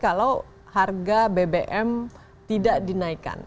kalau harga bbm tidak dinaikkan